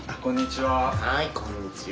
はいこんにちは。